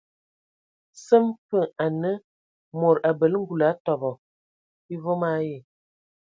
Səm fə anə mod abələ ngul atɔbɔ e vom ayi.